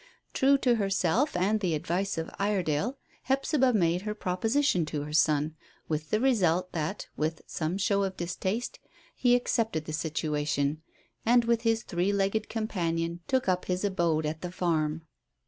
True to herself and the advice of Iredale, Hephzibah made her proposition to her son, with the result that, with some show of distaste, he accepted the situation, and with his three legged companion took up his abode at the farm.